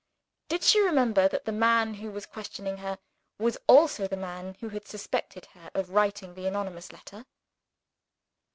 Did she remember that the man who was questioning her, was also the man who had suspected her of writing the anonymous letter?